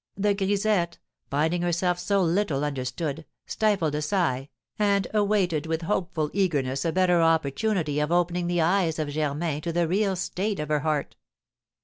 The grisette, finding herself so little understood, stifled a sigh, and awaited with hopeful eagerness a better opportunity of opening the eyes of Germain to the real state of her heart.